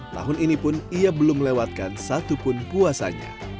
tahun ini pun ia belum melewatkan satupun puasanya